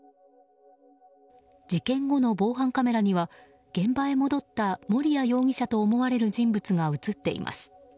事件後の防犯カメラには現場へ戻った森谷容疑者と思われる人物が映っています。